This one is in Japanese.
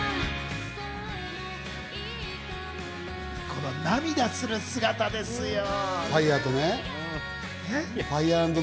この涙する姿ですよ。